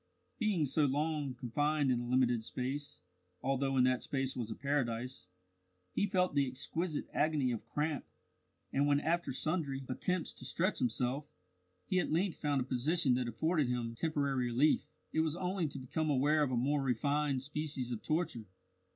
Being so long confined in a limited space, although in that space was a paradise, he felt the exquisite agony of cramp, and when, after sundry attempts to stretch himself, he at length found a position that afforded him temporary relief, it was only to become aware of a more refined species of torture.